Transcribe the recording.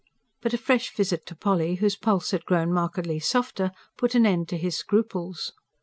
But a fresh visit to Polly, whose pulse had grown markedly softer, put an end to his scruples.